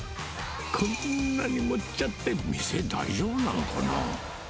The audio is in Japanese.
こんなに盛っちゃって、店、大丈夫なのかな？